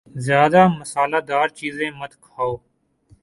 زیادہ مصالہ دار چیزیں مت کھاؤ